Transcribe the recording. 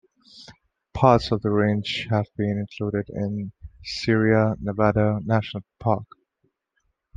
Parts of the range have been included in the Sierra Nevada National Park.